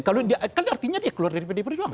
kalau dia kan artinya dia keluar dari pdi perjuangan